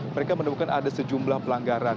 mereka menemukan ada sejumlah pelanggaran